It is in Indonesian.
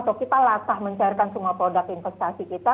atau kita latah mencairkan semua produk investasi kita